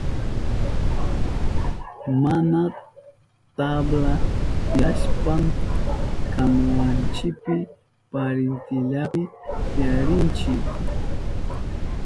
Mana tabla tiyashpan kanuwanchipi parintillapi tiyarinchi.